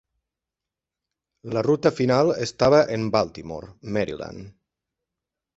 La ruta final estava en Baltimore, Maryland.